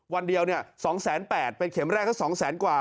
วันเดียว๒๘๐๐เป็นเข็มแรกก็๒แสนกว่า